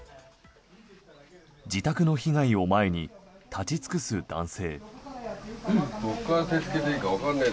自宅の被害を前に立ち尽くす男性。